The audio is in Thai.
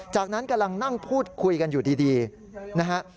จากนั้นกำลังนั่งพูดคุยกันอยู่ดีนะฮะ